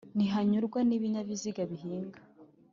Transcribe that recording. Ntihanyurwa n'ibinyabiziga bihinga